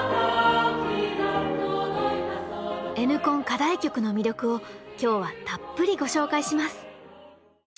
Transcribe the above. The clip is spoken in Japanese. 課題曲の魅力を今日はたっぷりご紹介します！